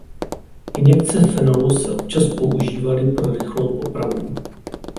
Injekce fenolu se občas používaly pro rychlou popravu.